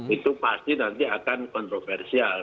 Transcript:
itu pasti nanti akan kontroversial